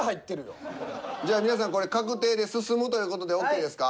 じゃあ皆さんこれ確定で進むという事でＯＫですか。